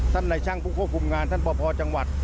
ในช่างผู้ควบคุมงานท่านปภจังหวัด